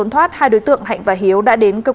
nó có nhiều dự định